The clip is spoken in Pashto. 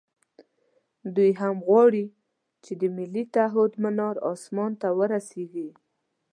دوی هم غواړي چې د ملي تعهُد منار اسمان ته ورسېږي.